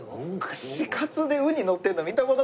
串カツでウニのってるの見た事ないです